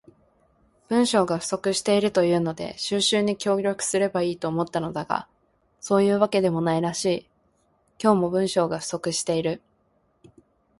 文章が不足しているというので収集に協力すれば良いのだと思ったが、そういうわけでもないらしい。今日も、文章が不足している。